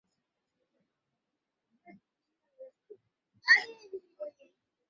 আরেকটু ভালো হতে পারত।